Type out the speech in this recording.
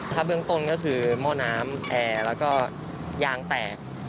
ถ้าเบื้องต้นก็คือหม้อน้ำแอร์แล้วก็ยางแตก